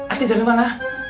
adik dari mana